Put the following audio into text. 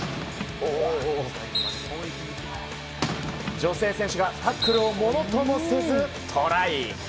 女性選手がタックルをものともせずトライ。